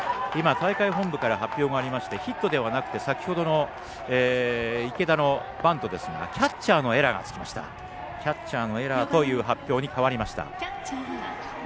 大会本部から発表がありましてヒットではなくて先ほどの池田のバントですがキャッチャーのエラーという発表に変わりました。